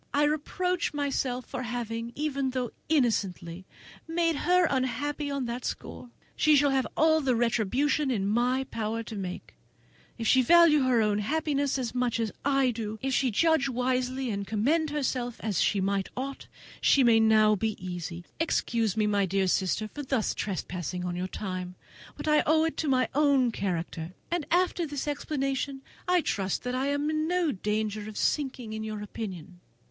I reproach myself for having, even though innocently, made her unhappy on that score. She shall have all the retribution in my power to make; if she value her own happiness as much as I do, if she judge wisely, and command herself as she ought, she may now be easy. Excuse me, my dearest sister, for thus trespassing on your time, but I owe it to my own character; and after this explanation I trust I am in no danger of sinking in your opinion."